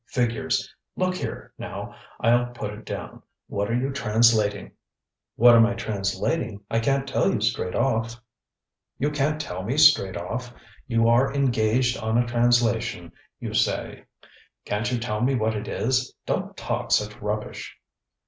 Figures! Look here, now, IŌĆÖll put it down. What are you translating? ŌĆØ ŌĆ£What am I translating? I canŌĆÖt tell you straight off. ŌĆØ ŌĆ£You canŌĆÖt tell me straight off? You are engaged on a translation, you say; canŌĆÖt you tell me what it is? DonŌĆÖt talk such rubbish!